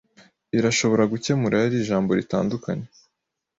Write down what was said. Irashobora gukemura yari ijambo ritandukanye